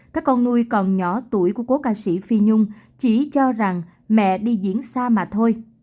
các con nuôi còn nhỏ tuổi của cố ca sĩ phi nhung chỉ cho rằng mẹ đi diễn xa mà thôi